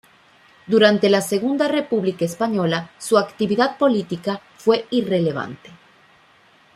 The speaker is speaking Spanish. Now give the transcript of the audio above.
Durante la Segunda República Española su actividad política fue irrelevante.